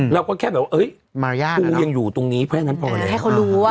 เราก็แค่แบบว่าเอ้ยตูยังอยู่ตรงนี้แค่นั้นพอแล้ว